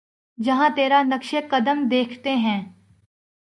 جہاں تیرا نقشِ قدم دیکھتے ہیں